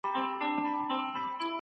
هغه وويل چي ظلم منع دی.